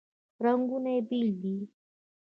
رنګونه یې بیل دي.